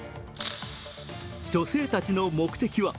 女性たちの目的は？